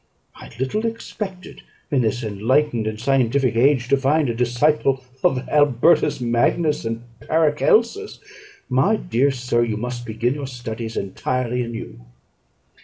I little expected, in this enlightened and scientific age, to find a disciple of Albertus Magnus and Paracelsus. My dear sir, you must begin your studies entirely anew."